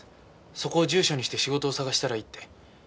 そこを住所にして仕事を探したらいいって。